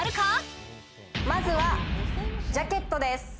まずはジャケットです。